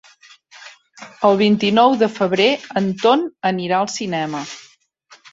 El vint-i-nou de febrer en Ton anirà al cinema.